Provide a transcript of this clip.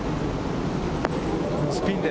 スピンで。